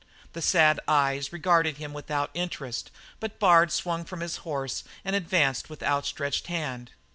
The sad eyes regarded him without interest, but Bard swung from his horse and advanced with outstretched hand.